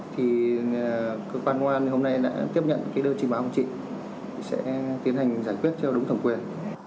thì cơ quan ngoan hôm nay đã tiếp nhận cái đơn trình báo của chị sẽ tiến hành giải quyết cho đúng thẩm quyền